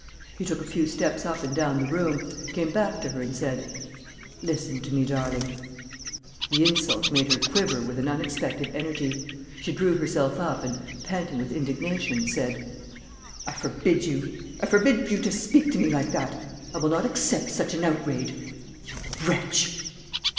He took a few steps up and down the room, came back to her and said: "Listen to me, darling...." The insult made her quiver with an unexpected energy. She drew herself up and, panting with indignation, said: "I forbid you.... I forbid you to speak to me like that. I will not accept such an outrage. You wretch!..."